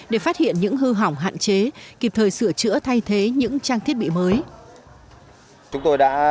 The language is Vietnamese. để phát hiện những hư hỏng hạn chế kịp thời sửa chữa thay thế những trang thiết bị mới